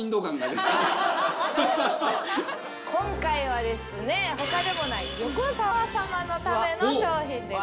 今回はですね他でもない横澤様のための商品でございます。